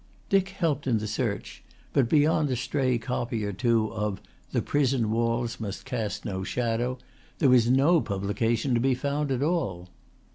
Dick helped in the search, but beyond a stray copy or two of The Prison Walls must Cast no Shadow, there was no publication to be found at all.